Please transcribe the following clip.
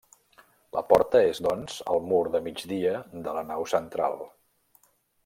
La porta és doncs al mur de migdia de la nau central.